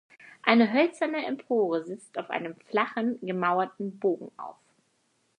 Eine hölzerne Empore sitzt auf einem flachen gemauerten Bogen auf.